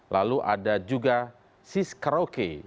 lalu ada juga sis karaoke